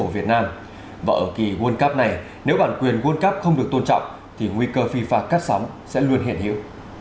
và ở kỳ world cup này nếu bản quyền world cup không được tôn trọng thì nguy cơ vi phạm cắt sóng sẽ luôn hiện hữu